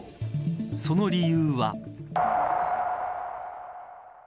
その理由は。